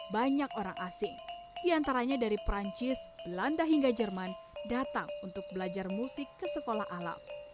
banyak orang asing diantaranya dari perancis belanda hingga jerman datang untuk belajar musik ke sekolah alam